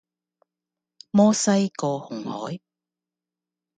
摩西過紅海